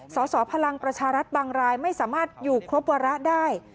สสพลังประชารัฐบางรายไม่สามารถอยู่ครบวาระได้